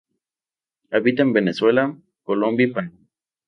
Habita en Venezuela, Colombia y Panamá.